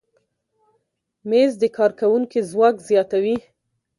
مېز د کارکوونکي ځواک زیاتوي.